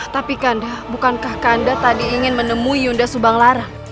tapi kanda bukankah kanda tadi ingin menemui yunda subang lara